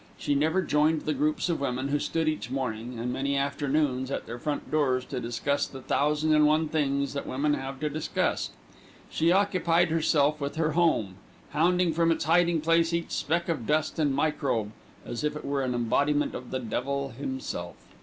She never joined the groups of women who stood each morning, and many afternoons, at their front doors to discuss the thousand and one things that women have to discuss. She occupied herself with her home, hounding from its hiding place each speck of dust and microbe as if it were an embodiment of the Devil himself.